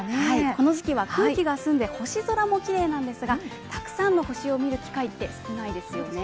この時期は空気が澄んで、星空もきれいなんですが、たくさんの星を見る機会って少ないですよね。